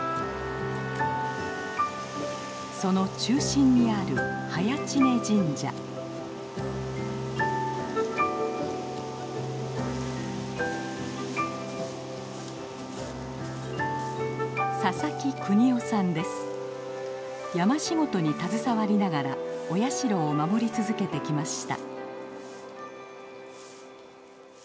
その中心にある山仕事に携わりながらお社を守り続けてきました。